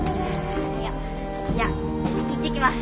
じゃあ行ってきます。